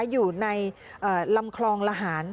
อยู่ในลำคลองละหาร